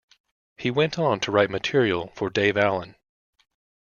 He went on to write material for Dave Allen.